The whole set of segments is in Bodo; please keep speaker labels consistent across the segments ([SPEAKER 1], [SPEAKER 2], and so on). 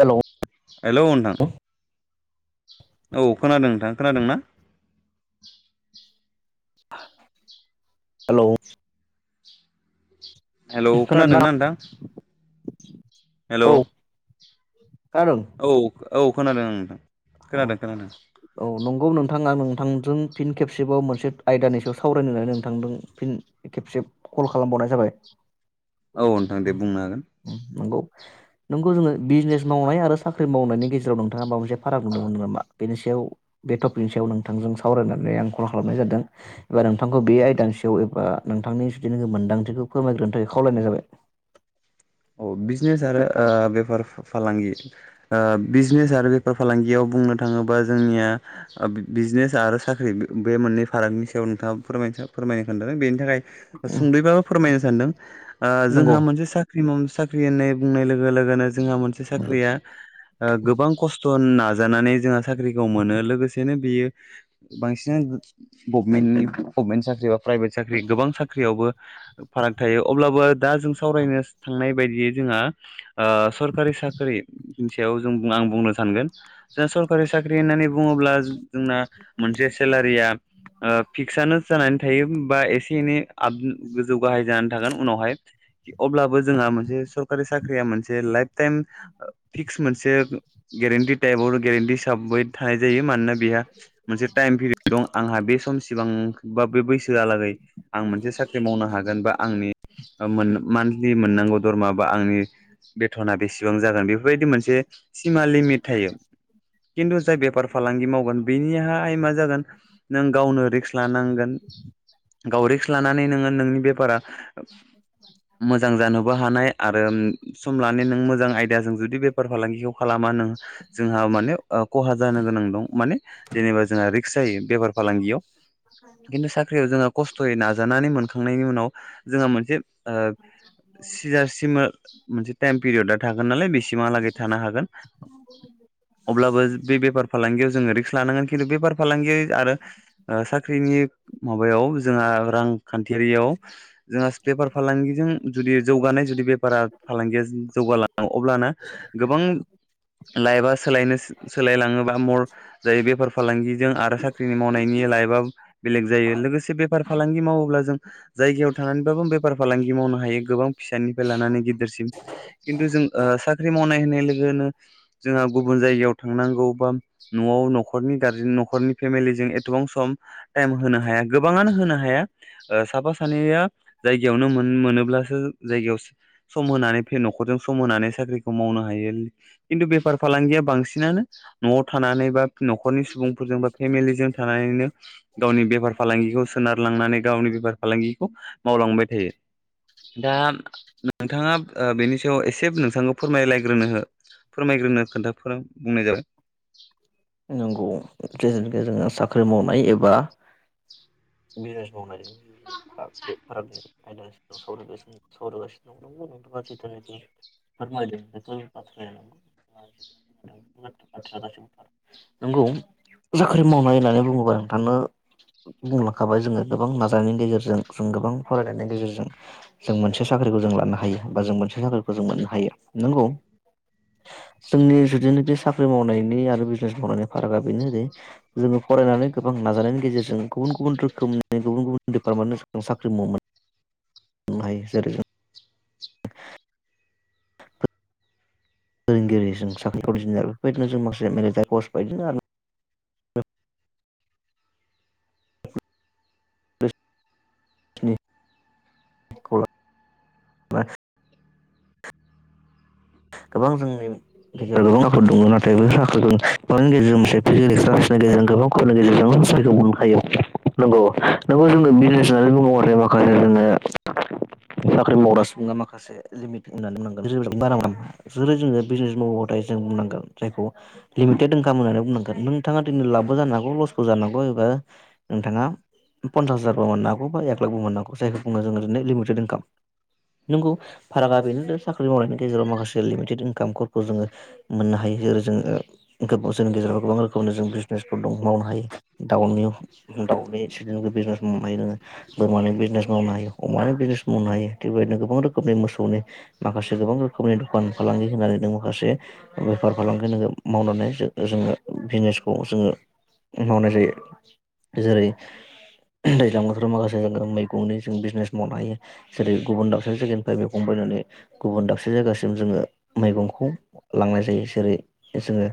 [SPEAKER 1] हेलौ
[SPEAKER 2] हेलौ‌ नोंथां औ खोनादों नोंथां खोनादों ना? [inaudible]
[SPEAKER 1] हेलौ
[SPEAKER 2] हेलौ खोनादोंना नोंथां?
[SPEAKER 1] औ
[SPEAKER 2] हेलौ
[SPEAKER 1] [unintelligible]
[SPEAKER 2] औ औ खोनादों आं नोंथां ।
[SPEAKER 1] अ औ नंगौ नोंथाङा नों थांदों फिन खेबसेबाव मोनसे आयदानि सायाव सावरायनोनानै नोंथांदों फिन खेबसे कल खालामबाव [unintelligible] जाबाय।
[SPEAKER 2] औ नोंथां दे बुंनो हागोन ।
[SPEAKER 1] नंगौ नोंगौ जोंङो बिजनेस मावनाय आरो साख्रि मावनायनि गेजेराव नोंथाङा माबा मोनसे फाराग नुनो मोन नामा बेनि सायाव बे टपिकनि सायाव नोंथांजों सावरायनानै आं कल खालामनाय जादों एबा नों आंखौ बे आयदानसेयाव एबा नोंथांनि जुदिनो मोन्दांथिखौ फोरमायग्रोनो थाखाय खावलायनाय जाबाय
[SPEAKER 2] औ बिजनेस आरो ओ बेफार फालांगि बिजनेस आरो बेफार फालांगियाव बुंनो थांङोबा जोंनिया बिजनेस आरो साख्रि बे मोननै फारागनि सायाव नोंथाङा फोरमाय फोरमायनो खोनादों बेनि थाखाय सुंद्रैबाबो फोरमायनो सानदों ओ
[SPEAKER 1] नंगौ
[SPEAKER 2] जोंहा मोनसे सनायनाय लोगोनो जोंहा मोनसे स्रिया गोबां खस्थ' होनना नाजानानै जोंहा साख्रिखौ मोनो लोगोसेनो बेयो बांसिन गभमेन्टनि गभमेन्ट साख्रि बा प्राइभेट साख्रि गोबां साख्रियावबो फाराग थायो अब्लाबो दा जों सावरायनो थांनाय बायदियै जोंहा ओ सरखारि साख्रिनि सायाव जों आं बुंनो सानगोन जों सरकारि साख्रि होननानै बुंङोब्ला जोंना मोनसे सेलारिया ओ फिक्सआनो जानानै थायो बा एसे एनै आबि गोजौ गाहाय जानानै थागोन उनावहाय अब्लाबो जोंहा मोनसे सरकारी साख्रि आ मोनसे लाइप थाइम मोनसे गेरेत्ती ताइप आव गेरेन्थि हिसाबै थानाय जायो मानोना बेहा मोनसे टाइम पिरियड दं आंहा बे सम सिबां बा बे बैसोहालागै आं मोनसे साख्रि मावनो हागोन बा आंनि मोननो मान मोननांगौ धर्म बा आंनि बेथना बेसेबां जागोन बेफोरबायदि मोनसे सिमा लिमिट थायो खिन्थु जाय बेफार फालांगि मावगोन बेनिहाय मा जागोन नों गावनो रिक्स लानांगोन गाव रिक्स लानानै नोङो नोंनि बेफारा मोजां जानोबो हानाय आरो सम लानो नों मोजां आयदाजों जुदि बेफार फालांगिखौ खालामा नों जोंहा माने खहा ओ जानो गोनां दं माने जेनेबा जोंहा रिक्स जायो बेफार फालांगियाव खिन्थु साख्रियाव जोंहा खस्थ'यै नाजानानै मोनखांनायनि उनाव जोंहा मोनसे ओ सिजासिम मोनसे टाइम पिरियड थागोन नालाय बेसिमहालागै थानो हागोन। अब्लाबो बे बेफार फालांगियाव जोङो रिख लानांगोन खिन्थु बेफार फालांगि आरो साख्रिनि माबायाव जोंहा रांखान्थि ारियाव जोंहा पेपार फालांगिजों जुदि जौगानाय जुदि बेफारा फालांगिया जौगालाङो अब्लानोा गोबां लाइफा सोलायनो सोलायलाङोबा मर जायो बेफार फालांगिजों आरो साख्रिनि मावनायनि लायोबा बेलेग जायो लोगोसे बेफार फालांगि मावोब्ला जों जायगायाव थानानैबाबो बेफार फालांगि मावनांगायो। हायो गोबां फिसानिफ्राय लानानै गिदिरसिम खिन्थु जों साख्रि मावनाय होननाय लोगोनो जोंहा गुबुन जायगायाव थांनांगौ बा न'आव न'खरनि गारजेन न'खरनि फेमिलिजों एथबां सम टाइम होनो हाया गोबाङानो होनो हाया। ओ साफा सानै ज होनानै न' सम होनानै साख्रिखौ मावनो हायु बे बेफार फालांगिया बांसिनानो न'आव थानानै बा न'खरनि सुबुंफोरजों बा फेमिलि जों थानानैनो गावनि बेफार फालांगिखौ सोनार लांनानै गावनि बेफार फालांगिखौ मावलांबाय थायो। दा नोंथाङा बेनि सायाव एसे नोंथांखौ फोरमायलायग्रोनो हो फोरमायग्रोनो खोन्थाफोरा बुंनाय जाबाय।
[SPEAKER 1] नंगौ। जोङो साख्रि मावनाय एबा बिजनेस मावनायजों र बे फारा ज ायलानो दं सावासिनो सावरायगानो दं दं माथांग गार नोंगौ साख्रि मावनाय होननानै बुङोबा नोंथांनो बुंलांखाबाय जोङो गोबां नाजानायनि गेजेरजों जों गोबां फरायनायनि गेजेरजों जों मोनसे साख्रि साख्रिखौ जों लानो हायो बा जों मोनसे साख्रिखौ जों मोननो हायो नोंगौ। जोंनि जुदिनो बे साख्रि मावनायनि आरो फारागा बेनोै जोङो फरायनानै गोबां नाजानायनि गेजेरजों गुबुन गुबुन रोखोमनि गुब गुबुन दिडपार्मट साख्रि मोन
[SPEAKER 2] [inaudible]
[SPEAKER 1] माय जेर जों
[SPEAKER 2] [inaudible]
[SPEAKER 1] फोरोंगिरि जों साख्रि इन्जिनियार बेफोरबायदिनो जों माखासे मेलेेजया कस बायदिदों
[SPEAKER 2] [inaudible]
[SPEAKER 1] [unintelligible] गोबां जोंनि लेखायाव गोबां आाद दङ नाथाय बेनि गेजेरजों मोनसे फिजिकेल क्लास नि गेजेरजों गोबां खनि गेजेरजों सखौ मोननो हायो। नंगौ नंगौ जोङो बिजनेसानानै आरो माखासे जोङो साख्रि मावग्रासिनो। माखसे होनांगोनार जेरै जोङो बिजनेस मावोबाथाय जों बुंनांगोन जायखौ लिमिटेड ओंखाम होननानै बुंनांगोन नोंथाङा दिनै लाबो जानोानांगौ लसबो जानांगौ एबा नोंथाङा पन्सास हाजारबो मोन हागौ बा एक लाखबो मोननो हौ जायखौ बुङो जोङो दिरै लिमिटेड इनकाम। नोंगौ फारागा बेनो साख्रि मावनायनि गेजेराव माखासे लिमिटेड इनकामफोरखौ जोङो मोननो हायो जेरै जोङो जोंनि गेजेराव गोबां रोखोम जों बिजने मावनो हायो द बिजने मावनो हायोङोोरानि बिजने मावनो हायो अमानि बिजनेस मावनो हायो बेबायदिनो गोबां रोखोमनि मोसौनि माखसेबां रोखोमनि द दखान फालांगि होनानै नों माखासे बेफार फालांगि नोङो मावनानै जोङो बिजनेसखौ जोङो मावनाय जायो जेरै दैज्लां बोथोराव माखासे जोङ मैगंनि जों बिजनेस मावनो हायो जेरै गुबुन दाबसेारि जायगानिफ्राय मैगं गुब दाबसे जाया जोङो मैगंखौ लांनाय जायो जेरै जोङो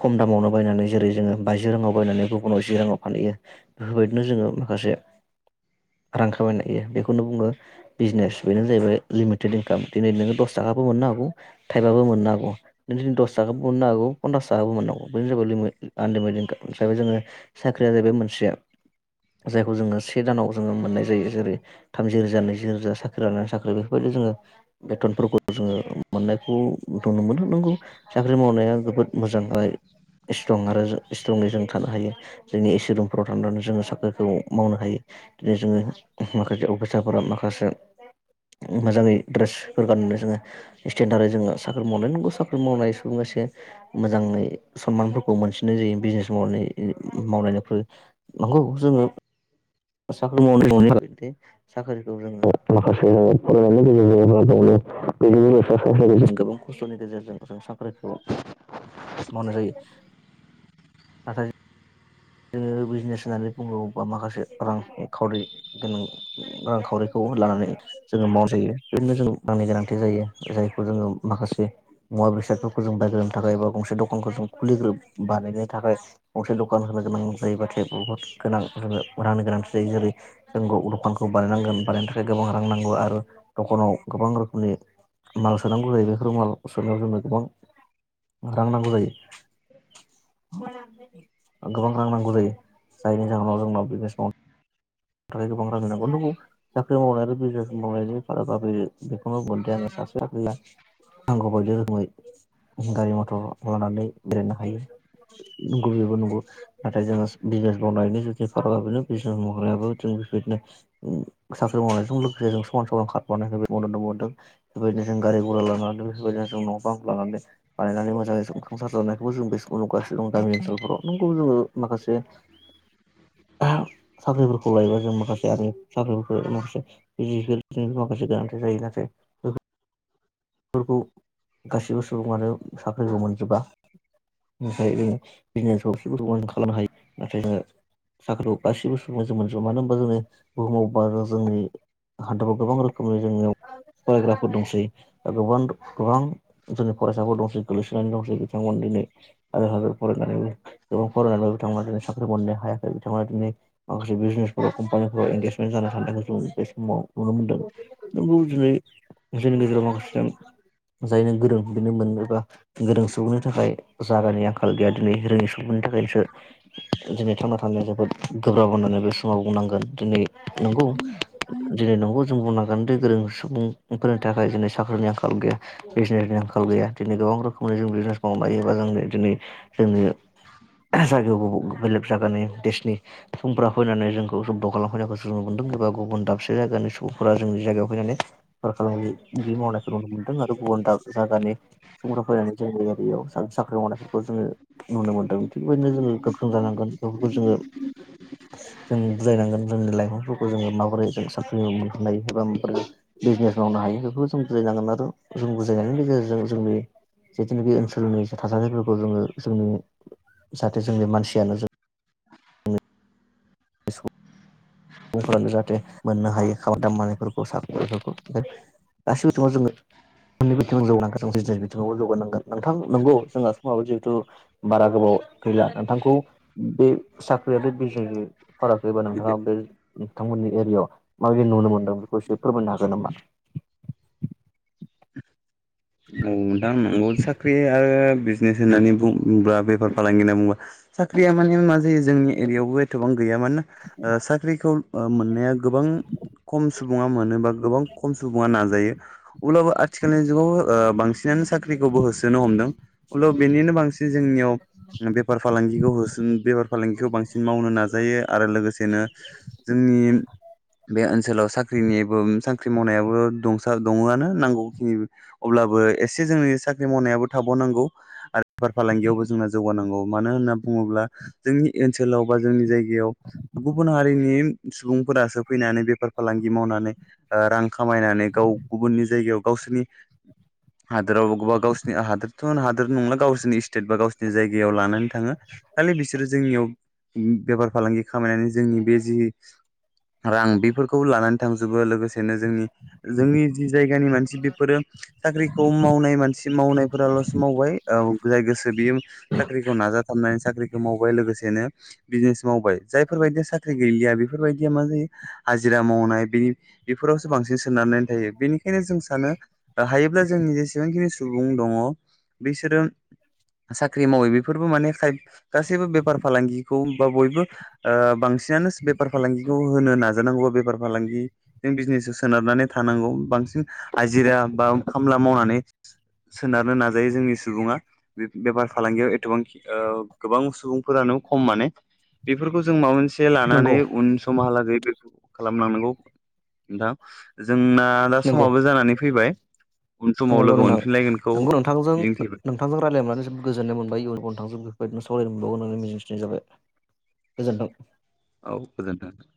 [SPEAKER 1] खम दामावनो बायनानै जेरै जोङो बाजि राङाव बायनानै गुबुनाव जि राङाव फानहैयो बेफोरबायदिनो जोङो माखासे रां खामायनो हायो बेखौनो बुङो बिजिनेस बेनो जाहैबाय लिमिटेड इनकाम दिनै नोङो दस थाखाबो मोननो हागौ थाइबाबो मोननो हागौ नों दिनै दस थाखाबो मोननो हागौ पनसास थाखाबो मोननो हागौ औ बेनो जाबाय आनलिमिटेड नि सायाव जोङो साख्रिया जाहैबाय मोनसेया जायखौ जोङो से दानाव जोङो मोननाय जायो जेरै थामजि रोजा नैजि रोजा साख्रि लानानै साख्रि बेफोरबायदि जोङो बेथनफोरखौ जोङो मोननायखौथ' मोनगोन नंगौ साख्रि मावनाया जोबोद मोजां ओ स्ट्रं आरो स्ट्रंयै जों थानो हायो जोंनि इ सि रुमफ्राव थांनानै जोङो साख्रिखौ मावनो हायो दिनै जोङो माखासे अबस्थाफोरा माखासे मोजाङै ड्रेस फोर गाननानै जोङो स्टेन्डारराव जोङो साख्रि मावनाय नोंगौ साख्रि मावनाय सुबुंयासे मोजाङै सनमानफोरखौ मोनसिननाय जायो बिजनेस मावनाय मावलायनायफोर नंगौ जोङो साख्रि माव साख्रिखौ जोङो माखासे फरायनायनि गेजेरजोंबा [unintelligible] मावनाय जायो नाथाय जोङो बिजनेस होननानै बुङो बा माखासे रां खावरि गोनां रांखावरिखौ लानानै जोङो माव जायो बेदिनो जों रांनि गोनांथि जायो जायखौ जोङो माखासे बेसादफोरखौ जों बाय्रोनो थाखाया गंसे दखानखौ जों खुलि ब्रब बानायनो थाखाय गंसे दखान होनो गोनां जायोबाथाय बहुत गोनां जोंनो रांनि गोनांथि जायो जेरै जों दखानखौ बानायनांगोन बानाय नायनि थाखाय गोबां रां नांगौ आरो दखानाव गोबां रोखोमनि माल सोनांगौ जायो बेफोर माल सोनायाव जोंनो गोबां रां नांगौ जायो गोबां रां नांगौ जायो जायनि जाहोनाव जोंनाव बिजिनेस मावनो थाखाय गोबां रांनि नांगौ नंगौ साख्रि मावनाय आरो बिजिनेस मावनायनि फारागाबो बेखौनो बुगोनदि आं सानो [inaudible] नांगौ बायदि रोखोमै गारि मथर लानानै बेरायनो हायो नंगौ बेबो नंगौ नाथाय जोङो बिजनेस मावनायनि जुदि फारकआ बेनो बिजनेस मावनायाबो जों बेबायदिनो साख्रि मावनायजों लोगोसे जों समान समान खारफानो मदद मोनदों बेबायदिनो जों गारि गुरा लानानै बेफोरबायदिनो जों न' बां लानानै बानायनानै मोजाङै संसार जानायखौ जों बेखौ नुगासिनो नुगासिनो दं गामि ओनसोलफोराव नोंगौ जोङो माखासे
[SPEAKER 2] [inaudible]
[SPEAKER 1] [inaudible] खौ लायोबा जों माखासे आंनि साख्रि माखासे बिजि माखासे गोनांथि जायो नाथाय
[SPEAKER 2] [inaudible]
[SPEAKER 1] बेखौ गासिबो सुबुङानो सुबुंआनो साख्रिखौ मोनजोबा ओमफ्राय जों बिजनेसखौ एथबां जों खालामनो हायो नाथाय जोङो साख्रिखौ गासिबो समाव जों जों मोनजोबा मानो होनबा जोङो बुहुमाव बा जोंनि हादराव गोबां रोखोमनि जोंनियाव फरायग्राफोर दंसै गोबां गोबां जोंनि फरायसाफोर दंसै गोलैसोनानै दंसै बिथांमोन दिनै हाजार हाजार फरायनानैबो गोबां फरायनानैबो बिथांमोना दिनै साख्रि मोननो हायाखै बिथांमोना दिनै माखासे बिजनेसफोराव कम्पानिफोराव एंगेजमेन्ट जानो साननायखौ जों बे समाव नुनो मोन्दों नंगौ दिनै जोंनि गेजेराव माखासे जायनो गोरों बेनो मोनग्रोबा गोरों सुबुंनि थाखाय जागानि आंखाल गैया दिनै रोङि सुबुंनि थाखायसो दिनै थांना थानाया जोबोद गोब्राब होननानै बे समाव बुंनांगोन दिनै नंगौ दिनै नंगौ जों बुंनांगोन बांद्राय गोरों सुबुंफोरनि थाखाय दिनै साख्रिनि आंखाल गैया, भिजिनेसनि आंखाल गैया, दिनै गोबां रोखोमनि जों बिजनेस मावनो हायो एबा जों दिनै जोंनो जायगायाव बाबो बेलेग जागानि देशनि सुबुंफोरा फैनानै जोंखौ जब्द खालामफैनायखौ जों नुबोदों एबा गुबुन दाबसे जायगानि सुबुंफोरा जोंनि जायगायाव फैनानै बेफार फालांगि बिदि मावनायखौ नुनो मोनदों आरो गुबुन दाबसे जायगानि सुबुंफोरानो फैनानै जोंनि एरियायाव सा-साख्रि मावनायफोरखौ जोङो नुनो मोनदों। थिग बेबायदिनो जोङो गोख्रों जानांगोन बेफोरखौ जोङो जों बुजायनांगोन जोंनि लाइफांफोरखौ जोङो माबोरै जों साख्रि मोननो हायो एबा माबोरै बिजिनेस मावनो हायो बेफोरखौ जों बुजायनांगोन आरो जों बुजायनायनि गेजेरजों जोंनि जिथुनाखि ओनसोलनि थासारिफोरखौ जोङो जोंनि जाहाथे जोंनि मानसियानो जों सुबुंफोरानो जाहाथे मोननो हायो खामानि दामानिफोरखौ साख्रिफोरखौ गासिबो दङ जोङो [unintelligible] बिथिङावबो जौगानांगोन नोंथां नंगौ जोंहा समाबो जिहेथु बारा गोबाव गैला नोंथांखौ बे साख्रिया आरो बे बिजनेसनि फाराग एबा नोंथाङा बे नोंथांमोननि एरियायाव माबायदि नुनो मोनदों बेखौ एसे फोरमायनो हागोन नामा?
[SPEAKER 2] औ नोंथां नंगौ साख्रि आरो बिजनेस होननानै बुङोबा बेफार फालांगि होनना बुङोबा साख्रिया माने मा जायो जोंनि एरियायावबो एथ'बां गैया मानोना साख्रिखौ मोननाया गोबां खम सुबुङा मोनो बा गोबां खम सुबुङा नाजायो। अब्लाबो आथिखालनि जुगाव ओ बांसिन नानो साख्रिखौबो होसोनो हमदों। अब्लाबो बेनिनो बांसिन जोंनियाव बेफार फालांगिखौ होसो बेफार फालांगिखौ बांसिन मावनो नाजायो आरो लोगोसेनो जों जोंनि बे ओनसोलाव साख्रिनि साख्रि मावनायाबो दंसा दङआनो होननांगौ [unintelligible] अब्लाबो एसे जोंनि साख्रि मावनायाबो थाबावनांगौ आरो बेफार फालांगियावबो जोंना जौगानांगौ। मानो होनना बुङोब्ला जोंनि ओनसोलाव बा जोंनि जायगायाव गुबुन हारिनि सुबुंफोरासो फैनानै बेफार फालांगि मावनानै ओ रां खामायनानै गाव गुबुननि जायगायाव गावसिनि [inaudible] हादोराव बा गावनि हादोरथ' हादोर नंला गावसिनि स्टेट बा गावसिनि जायगायाव लानानै थाङो। खालि बिसोरो जोंनियाव बेफार फालांगि खामायनानै जोंनि बे जि रां बेफोरखौ लानानै थांजोबो। लोगोसेनो जोंनि जोंनि जि जायगानि मानसि बेफोरो साख्रिखौ मावनाय मानसि मावनायफोराल'सो मावबाय ओ जाय गोसो बियो साख्रिखौ नाजाथाबना साख्रिखौ मावबाय। लोगोसेनो बिजनेस मावबाय जायफोरबायदिया साख्रि गैलिया, बेफोरबायदिया मा जायो हाजिरा मावनाय बिनि बेफोरावसो बांसिन सोनारनानै थायो। बेनिखायनो जों सानो हायोब्ला जोंनि जेसेबांखिनि सुबुं दङ बिसोरो साख्रि मावै। बेफोरबो माने खाय गासैबो बेफार फालांगिखौ बा बयबो बांसि सिनानो बेफार फालांगिखौ होनो नाजानांगौ। बेफार फालांगिजों बिजनेसजों सोनारनानै थानांगौ। बां सिन हाजिरा बा खामला मावनानै सोनारनो नाजायो जोंनि सुबुङा। बे-बेफार फालांगियाव एथ'बांखि गोबां सुबुंफोरानो खम माने। बेफोरखौ जों माबा मोनस से
[SPEAKER 1] नंगौ
[SPEAKER 2] लानानै उन समहालागै बेखौ खालामलांनांगौ नोंथां। जोंना दा
[SPEAKER 1] नंगौ
[SPEAKER 2] समाबो जानानै फैबाय। समाव
[SPEAKER 1] नंगौ
[SPEAKER 2] लोगो
[SPEAKER 1] नोंथां।
[SPEAKER 2] मोनफिनलायगोनखौ
[SPEAKER 1] नंगौ नोंथांजों
[SPEAKER 2] मिजिंथिबाय
[SPEAKER 1] नोंथांजों रायलायनानै जोबोद गोजोननाय मोनबाय इयुनखौ नोंथांजों बेफोरबादिनो फोर मोनबावगोन होननानै मिजिं थिनाय जाबाय। गोजोन्थों।
[SPEAKER 2] औ गोजोनथों।